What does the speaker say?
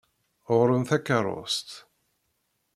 Ɣur-m takeṛṛust!